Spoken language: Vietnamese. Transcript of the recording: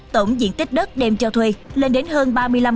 tổng diện tích đất đem cho thuê lên đến hơn ba mươi năm